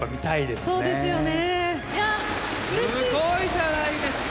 すごいじゃないですか！